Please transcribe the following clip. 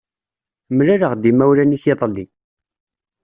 Mlaleɣ-d imawlan-ik iḍelli.